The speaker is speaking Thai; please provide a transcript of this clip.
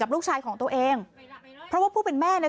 ลูกชายของตัวเองเพราะว่าผู้เป็นแม่เนี่ย